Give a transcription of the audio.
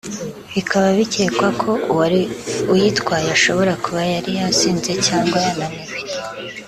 bikaba bikekwa ko uwari uyitwaye ashobora kuba yari yasinze cyangwa yananiwe